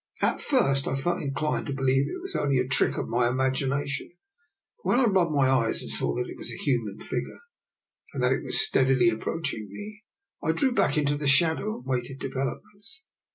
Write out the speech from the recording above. At first I felt inplined to be lieve that it was only a trick of my imagina tion, but when I rubbed my eyes and saw that it was a human figure, and that it was stead ily approaching me, I drew back into the shad ow and awaited developments.